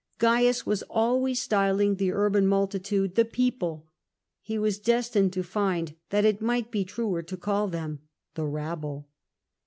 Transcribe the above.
Oaius was always styling the urban multitude ''the people." He was destined to find that it might be truer to call it "the rabble."